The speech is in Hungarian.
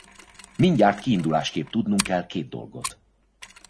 Mindjárt kiindulásképp tudnunk kell két dolgot.